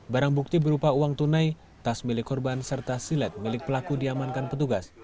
barang bukti berupa uang tunai tas milik korban serta silet milik pelaku diamankan petugas